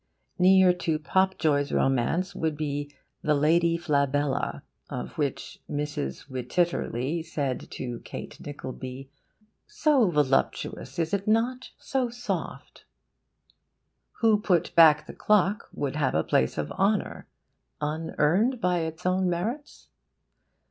Near to Popjoy's romance would be THE LADY FLABELLA, of which Mrs. Wititterly said to Kate Nickleby, 'So voluptuous is it not so soft?' WHO PUT BACK THE CLOCK? would have a place of honour (unearned by its own merits?).